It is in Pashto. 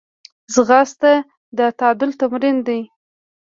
ځغاسته د تعادل تمرین دی